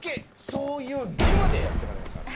そういう義務でやってまいりました。